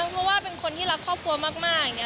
เพราะว่าเป็นคนที่รักครอบครัวมากอย่างนี้